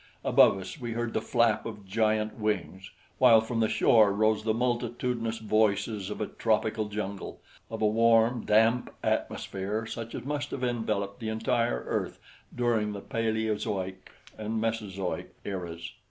Above us we heard the flap of giant wings, while from the shore rose the multitudinous voices of a tropical jungle of a warm, damp atmosphere such as must have enveloped the entire earth during the Paleozoic and Mesozoic eras.